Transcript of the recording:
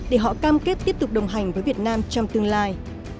để họ cam kết tiếp tục đồng hành với việt nam trong tương lai